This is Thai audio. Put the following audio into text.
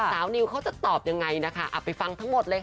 สาวนิ้วเขาก็จะตอบยังไงนะคะไปฟังทั้งหมดเลยค่ะ